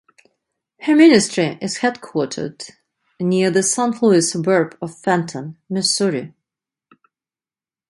Her ministry is headquartered near the Saint Louis suburb of Fenton, Missouri.